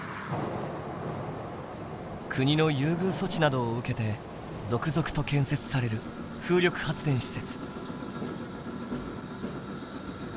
国の優遇措置などを受けて続々と建設される風力発電施設。